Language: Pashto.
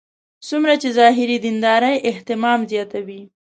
څومره چې ظاهري دیندارۍ اهتمام زیاتوي.